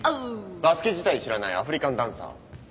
バスケ自体知らないアフリカンダンサー。